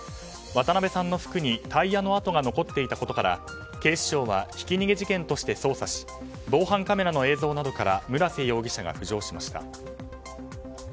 渡辺さんの服にタイヤの跡が残っていたことから警視庁はひき逃げ事件として捜査し防犯カメラの映像などから村瀬容疑者が浮上しました。